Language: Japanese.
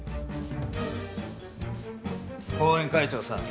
後援会長さん。